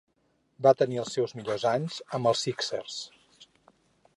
Va tenir els seus millors anys amb els Sixers.